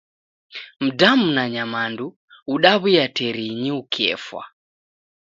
Mdamu na nyamandu udawuya terinyi ukefwa.